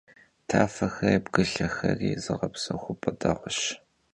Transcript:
Tafexeri bgılhexeri zığepsexup'e değueş.